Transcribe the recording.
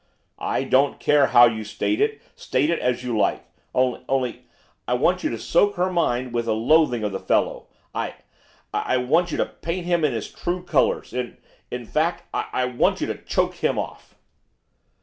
'I don't care how you state it, state it as you like. Only only I want you to soak her mind with a loathing of the fellow; I I I want you to paint him in his true colours; in in in fact, I I want you to choke him off.